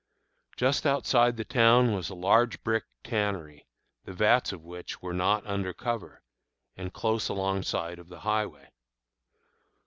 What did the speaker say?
Just outside the town was a large brick tannery, the vats of which were not under cover, and close alongside of the highway.